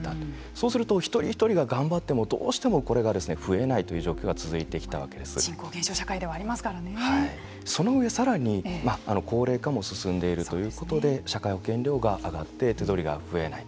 そうすると、一人一人が頑張ってもどうしてもこれが増えない人口減少社会ではその上さらに高齢化も進んでいるということで社会保険料が上がって手取りが増えない。